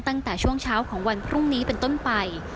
ตั้งแต่ช่วงเช้าของวันพรุ่งนี้เป็นต้นไป